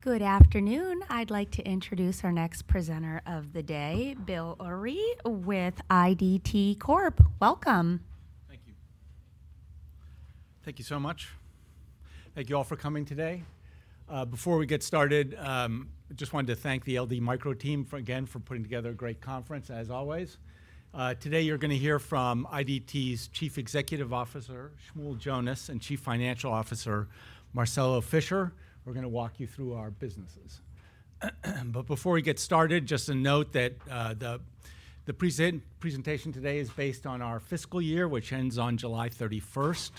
Good afternoon. I'd like to introduce our next presenter of the day, Bill Ulrey, with IDT Corp. Welcome! Thank you. Thank you so much. Thank you all for coming today. Before we get started, I just wanted to thank the LD Micro team for again, for putting together a great conference, as always. Today you're gonna hear from IDT's Chief Executive Officer, Shmuel Jonas, and Chief Financial Officer, Marcelo Fischer, who are gonna walk you through our businesses. But before we get started, just a note that the presentation today is based on our fiscal year, which ends on July 31st,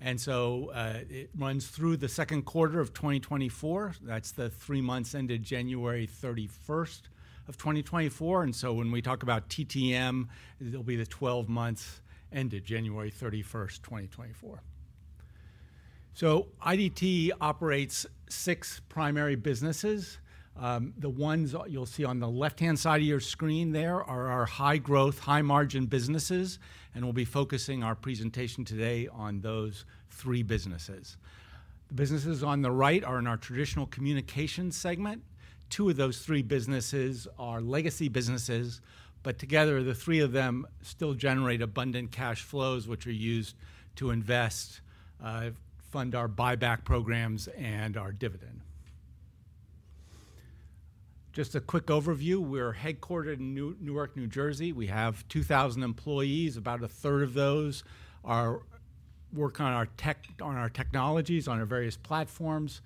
and so it runs through the second quarter of 2024. That's the three months ended January 31st of 2024. And so when we talk about TTM, it'll be the 12 months ended January 31st, 2024. So IDT operates six primary businesses. The ones you'll see on the left-hand side of your screen there are our high-growth, high-margin businesses, and we'll be focusing our presentation today on those three businesses. The businesses on the right are in our traditional communications segment. Two of those three businesses are legacy businesses, but together, the three of them still generate abundant cash flows, which are used to invest, fund our buyback programs and our dividend. Just a quick overview. We're headquartered in Newark, New Jersey. We have 2,000 employees. About a third of those work on our technologies, on our various platforms.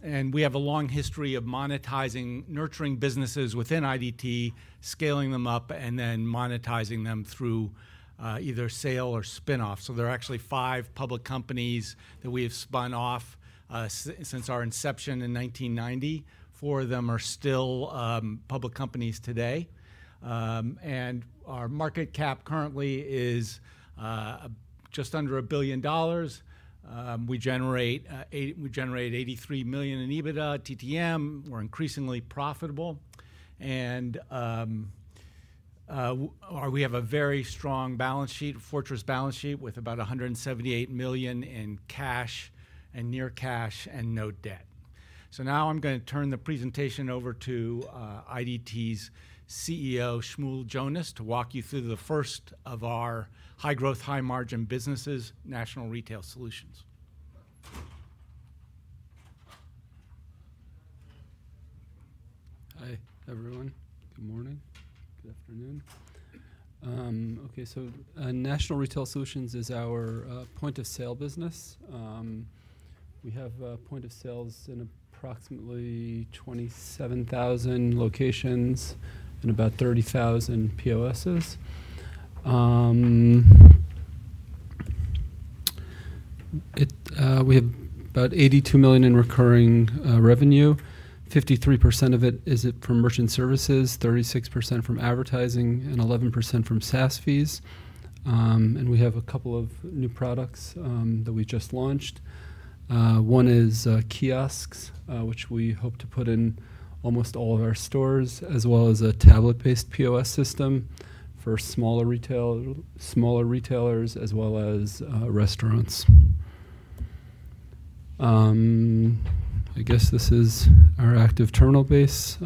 And we have a long history of monetizing, nurturing businesses within IDT, scaling them up, and then monetizing them through either sale or spin-off. So there are actually five public companies that we have spun off since our inception in 1990. Four of them are still public companies today. Our market cap currently is just under $1 billion. We generate $83 million in EBITDA TTM. We're increasingly profitable, and we have a very strong balance sheet, fortress balance sheet, with about $178 million in cash and near cash and no debt. So now I'm gonna turn the presentation over to IDT's CEO, Shmuel Jonas, to walk you through the first of our high-growth, high-margin businesses, National Retail Solutions. Hi, everyone. Good morning. Good afternoon. Okay, so National Retail Solutions is our point-of-sale business. We have point of sales in approximately 27,000 locations and about 30,000 POSs. It... We have about $82 million in recurring revenue. 53% of it is from merchant services, 36% from advertising, and 11% from SaaS fees. And we have a couple of new products that we just launched. One is kiosks, which we hope to put in almost all of our stores, as well as a tablet-based POS system for smaller retail, smaller retailers, as well as restaurants. I guess this is our active terminal base.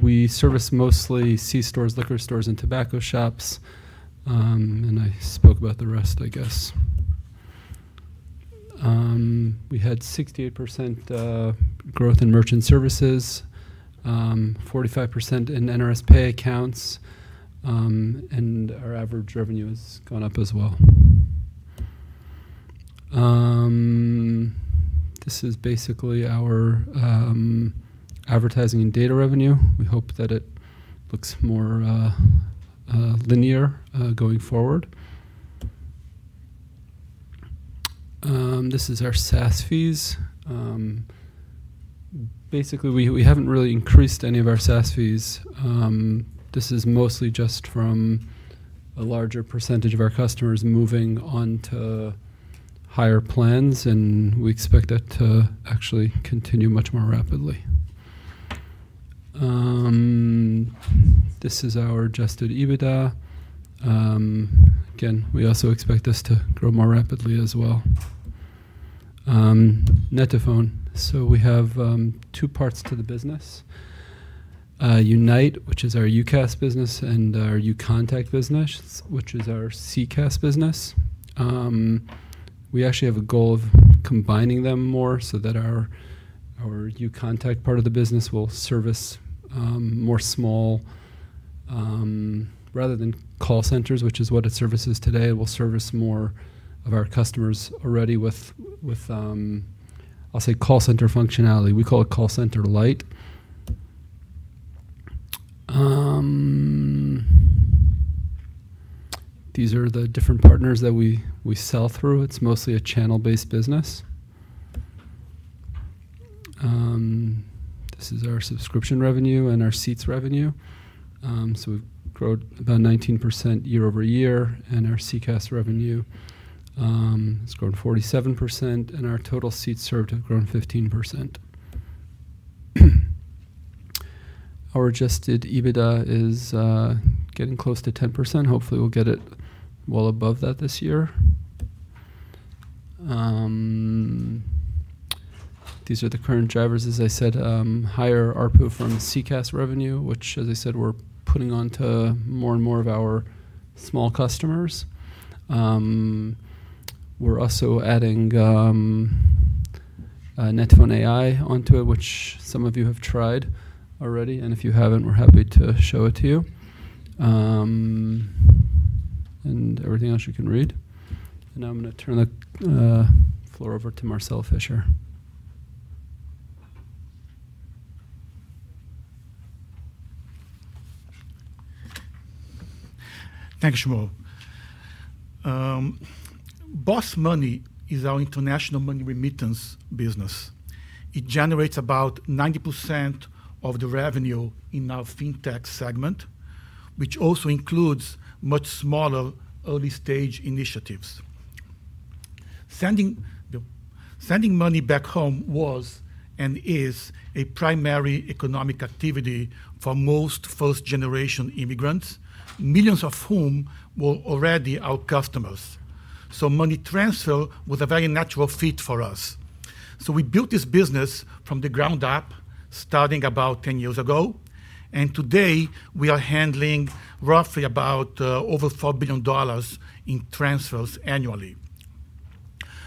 We service mostly c-stores, liquor stores, and tobacco shops. And I spoke about the rest, I guess. We had 68% growth in merchant services, 45% in NRS Pay accounts, and our average revenue has gone up as well. This is basically our advertising and data revenue. We hope that it looks more linear going forward. This is our SaaS fees. Basically, we haven't really increased any of our SaaS fees. This is mostly just from a larger percentage of our customers moving on to higher plans, and we expect that to actually continue much more rapidly. This is our adjusted EBITDA. Again, we also expect this to grow more rapidly as well. net2phone. So we have two parts to the business, UNITE, which is our UCaaS business, and our uContact business, which is our CCaaS business. We actually have a goal of combining them more so that our uContact part of the business will service more small, rather than call centers, which is what it services today. We'll service more of our customers already with, with, I'll say call center functionality. We call it call center lite. These are the different partners that we sell through. It's mostly a channel-based business. This is our subscription revenue and our seats revenue. So we've grown about 19% year-over-year, and our CCaaS revenue has grown 47%, and our total seats served have grown 15%. Our adjusted EBITDA is getting close to 10%. Hopefully, we'll get it well above that this year. These are the current drivers, as I said, higher ARPU from CCaaS revenue, which, as I said, we're putting on to more and more of our small customers. We're also adding net2phone AI onto it, which some of you have tried already, and if you haven't, we're happy to show it to you. And everything else you can read. And now I'm going to turn the floor over to Marcelo Fischer. Thank you, Shmuel. BOSS Money is our international money remittance business. It generates about 90% of the revenue in our Fintech segment, which also includes much smaller early-stage initiatives. Sending money back home was and is a primary economic activity for most first-generation immigrants, millions of whom were already our customers. So money transfer was a very natural fit for us. So we built this business from the ground up, starting about 10 years ago, and today we are handling roughly about over $4 billion in transfers annually.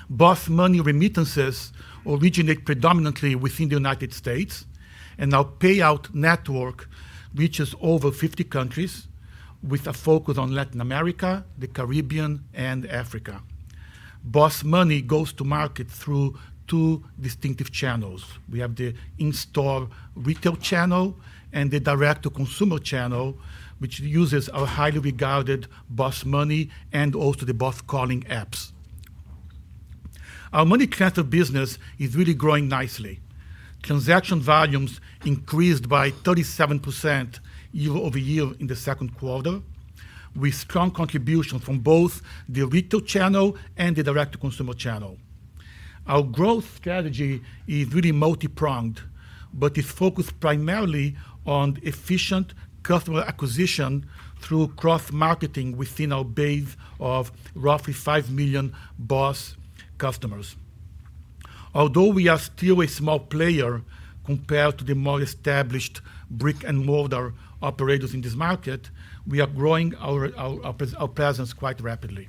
BOSS Money remittances originate predominantly within the United States, and our payout network reaches over 50 countries, with a focus on Latin America, the Caribbean, and Africa. BOSS Money goes to market through two distinctive channels. We have the in-store retail channel and the direct-to-consumer channel, which uses our highly regarded BOSS Money and also the BOSS Calling apps. Our money transfer business is really growing nicely. Transaction volumes increased by 37% year-over-year in the second quarter, with strong contribution from both the retail channel and the direct-to-consumer channel. Our growth strategy is really multi-pronged, but is focused primarily on efficient customer acquisition through cross-marketing within our base of roughly 5 million BOSS customers. Although we are still a small player compared to the more established brick-and-mortar operators in this market, we are growing our presence quite rapidly.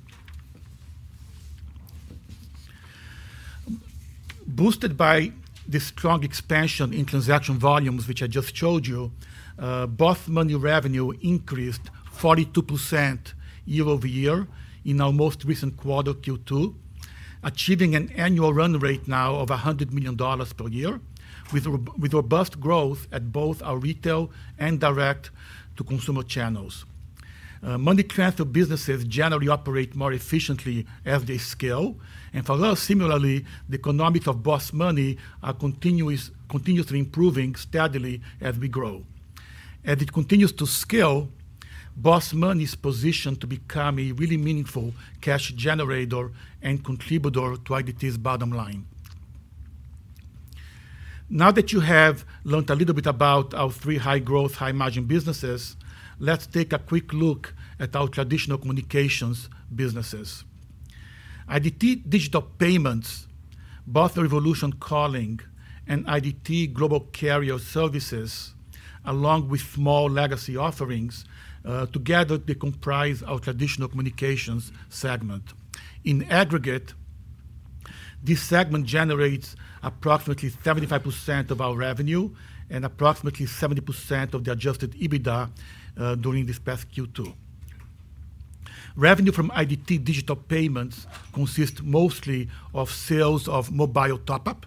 Boosted by the strong expansion in transaction volumes, which I just showed you, BOSS Money revenue increased 42% year-over-year in our most recent quarter, Q2, achieving an annual run rate now of $100 million per year, with robust growth at both our retail and direct-to-consumer channels. Money transfer businesses generally operate more efficiently as they scale, and for us, similarly, the economics of BOSS Money are continuous, continuously improving steadily as we grow. As it continues to scale, BOSS Money is positioned to become a really meaningful cash generator and contributor to IDT's bottom line. Now that you have learned a little bit about our three high-growth, high-margin businesses, let's take a quick look at our traditional communications businesses. IDT Digital Payments, BOSS Revolution Calling, and IDT Global Carrier Services, along with small legacy offerings, together they comprise our traditional communications segment. In aggregate, this segment generates approximately 75% of our revenue and approximately 70% of the adjusted EBITDA during this past Q2. Revenue from IDT Digital Payments consist mostly of sales of mobile top-up,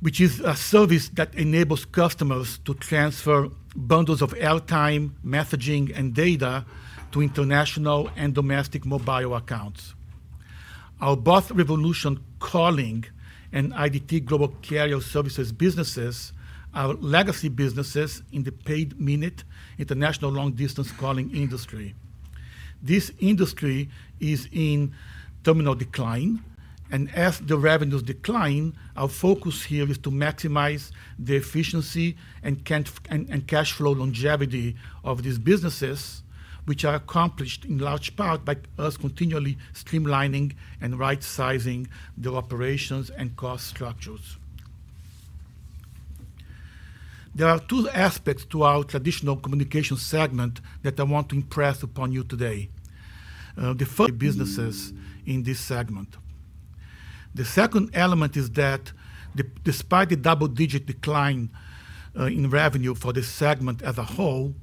which is a service that enables customers to transfer bundles of airtime, messaging, and data to international and domestic mobile accounts. Our BOSS Revolution Calling and IDT Global Carrier Services businesses are legacy businesses in the paid-minute international long-distance calling industry. This industry is in terminal decline, and as the revenues decline, our focus here is to maximize the efficiency and cash flow longevity of these businesses, which are accomplished in large part by us continually streamlining and right-sizing the operations and cost structures. There are two aspects to our traditional communication segment that I want to impress upon you today. The first businesses in this segment. The second element is that despite the double-digit decline in revenue for this segment as a whole,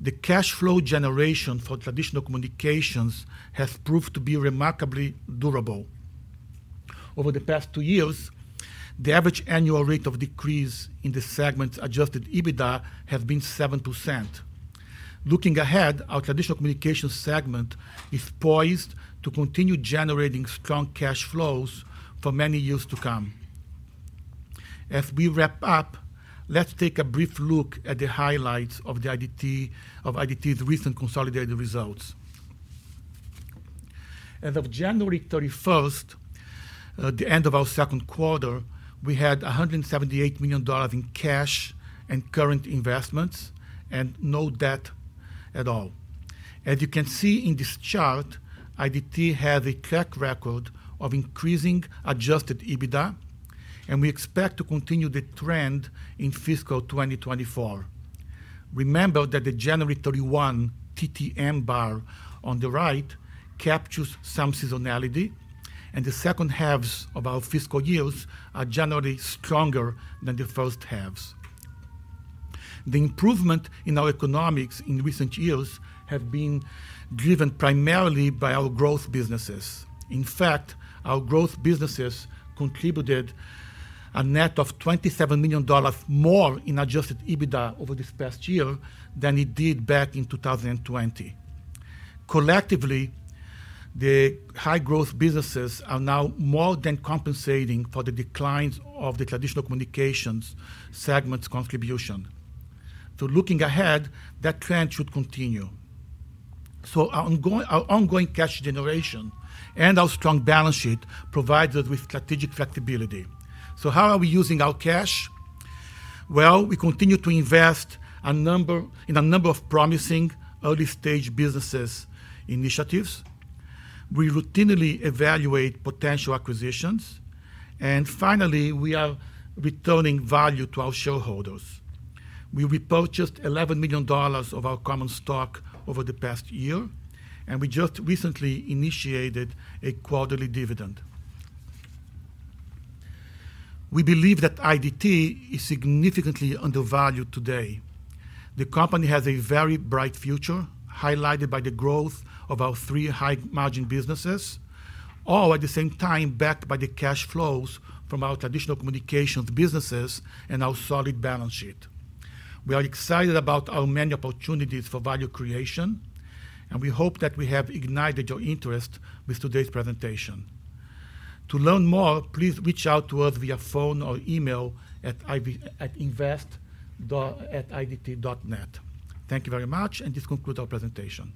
the cash flow generation for traditional communications has proved to be remarkably durable. Over the past two years, the average annual rate of decrease in the segment's adjusted EBITDA has been 7%. Looking ahead, our traditional communications segment is poised to continue generating strong cash flows for many years to come. As we wrap up, let's take a brief look at the highlights of IDT's recent consolidated results. As of January 31st, the end of our second quarter, we had $178 million in cash and current investments and no debt at all. As you can see in this chart, IDT has a track record of increasing adjusted EBITDA, and we expect to continue the trend in fiscal 2024. Remember that the January 31, TTM bar on the right captures some seasonality, and the second halves of our fiscal years are generally stronger than the first halves. The improvement in our economics in recent years have been driven primarily by our growth businesses. In fact, our growth businesses contributed a net of $27 million more in adjusted EBITDA over this past year than it did back in 2020. Collectively, the high growth businesses are now more than compensating for the declines of the traditional communications segment's contribution. So looking ahead, that trend should continue. So our ongoing, our ongoing cash generation and our strong balance sheet provides us with strategic flexibility. So how are we using our cash? Well, we continue to invest in a number of promising early-stage business initiatives. We routinely evaluate potential acquisitions, and finally, we are returning value to our shareholders. We repurchased $11 million of our common stock over the past year, and we just recently initiated a quarterly dividend. We believe that IDT is significantly undervalued today. The company has a very bright future, highlighted by the growth of our three high-margin businesses, all at the same time, backed by the cash flows from our traditional communications businesses and our solid balance sheet. We are excited about our many opportunities for value creation, and we hope that we have ignited your interest with today's presentation. To learn more, please reach out to us via phone or email at invest@idt.net. Thank you very much, and this concludes our presentation.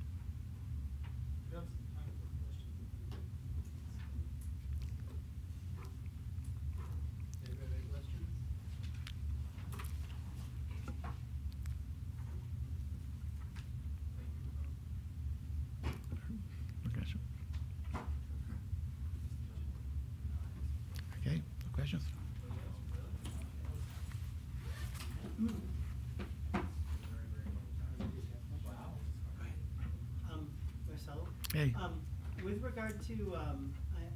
We have some time for questions. Anybody have any questions? No question. Okay, no questions. Wow! Right. Marcelo? Hey. With regard to,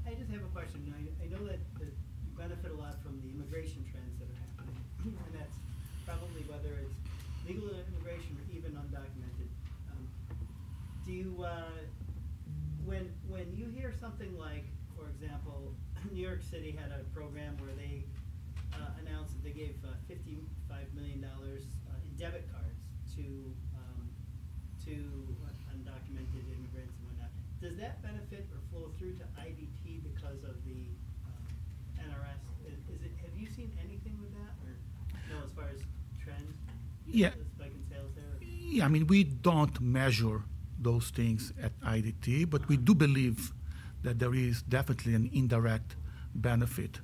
I just have a question. I know that you benefit a lot from the immigration trends that are happening, and that's probably whether it's legal immigration or even undocumented. Do you... When you hear something like, for example, New York City had a program where they announced that they gave $55 million in debit cards to undocumented immigrants and whatnot. Does that benefit or flow through to IDT because of the NRS? Is it-- Have you seen anything with that or, you know, as far as trends- Yeah. Spike in sales there? Yeah, I mean, we don't measure those things at IDT, but we do believe that there is definitely an indirect benefit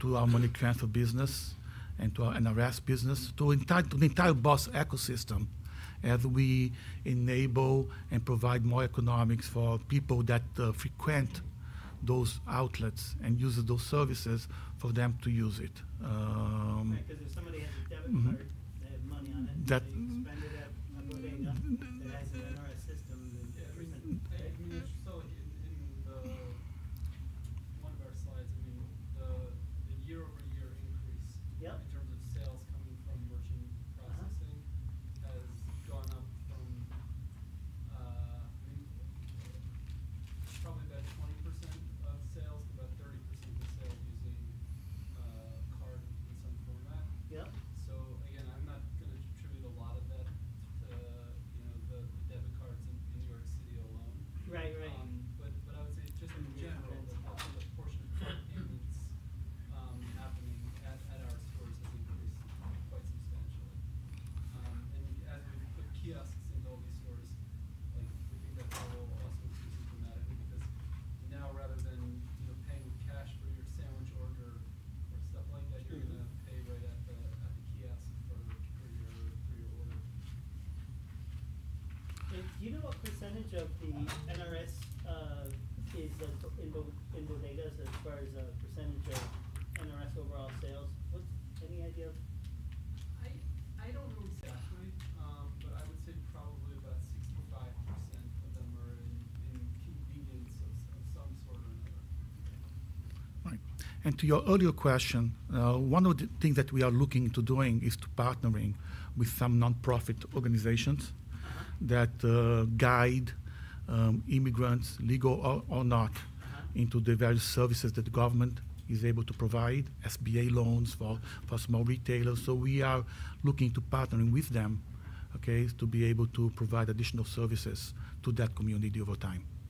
to our money transfer business and to our NRS business, to the entire BOSS ecosystem, as we enable and provide more economics for people that frequent those outlets and use those services for them to use it. Right, because if somebody has a debit card- Mm-hmm. They have money on it. That- They spend it that guide immigrants, legal or not- Uh-huh... into the various services that the government is able to provide, SBA loans for small retailers. So we are looking to partnering with them, okay, to be able to provide additional services to that community over time.